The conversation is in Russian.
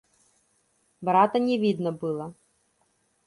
Брата не видно было.